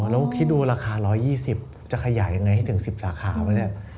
แล้วคิดดูราคา๑๒๐จะขยายยังไงให้ถึง๑๐สาขาปะเนี่ย